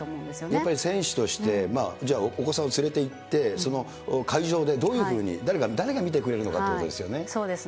やっぱり選手として、じゃあ、お子さんを連れていって、その会場でどういうふうに誰が見てくれそうですね。